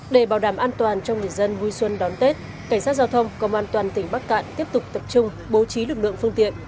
để bảo đảm an toàn cho người dân vui xuân đón tết cảnh sát giao thông công an toàn tỉnh bắc cạn tiếp tục tập trung bố trí lực lượng phương tiện